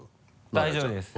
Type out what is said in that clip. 大丈夫です。